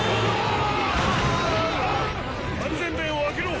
安全弁を開けろ！